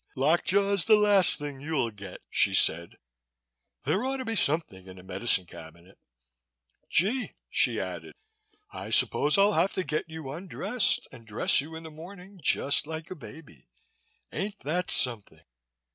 "Lock jaw's the last thing you'll get," she said. "There ought to be something in the medicine cabinet. Gee," she added. "I suppose I'll have to get you undressed and dress you in the morning just like a baby. Ain't that something?"